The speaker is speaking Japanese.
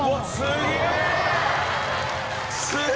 すげえ！